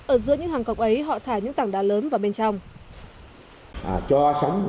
ở giữa những hàng cọc ấy họ thả những tảng đá lớn vào bên trong